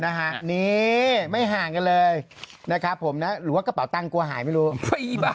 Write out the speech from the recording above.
นะฮะนี่ไม่ห่างกันเลยนะครับผมนะหรือว่ากระเป๋าตังค์กลัวหายไม่รู้